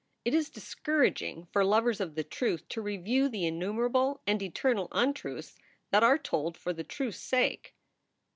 It is discouraging for lovers of the truth to review the innumerable and eternal untruths that are told for the truth s sake.